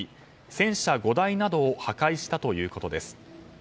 戦車５台などを破壊したということです。